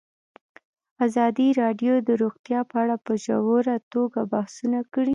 ازادي راډیو د روغتیا په اړه په ژوره توګه بحثونه کړي.